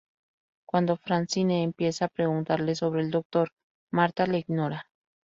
Cuando Francine empieza a preguntarle sobre el Doctor, Martha le ignora.